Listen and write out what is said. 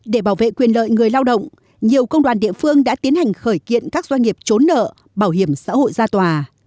để bảo vệ quyền lợi người lao động nhiều công đoàn địa phương đã tiến hành khởi kiện các doanh nghiệp trốn nợ bảo hiểm xã hội ra tòa